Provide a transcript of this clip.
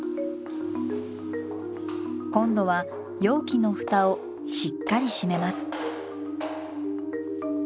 今度は容器の蓋をしっかり閉めます。